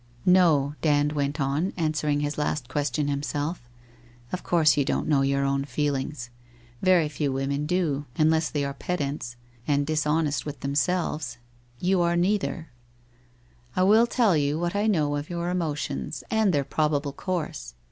1 No/ Dand went on, answering his last question him self. ' Of course you don't know your own feelings. Very few women do, unless they are pedants, and dishonest with themselves, you arc neither. I will tell you what I know of your emotions, and their probable course.